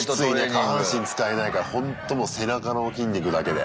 下半身使えないからほんともう背中の筋肉だけで。